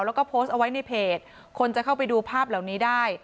แล้วก็โพสต์เอาไว้ในเพจคนจะเข้าไปดูภาพเหล่านี้ได้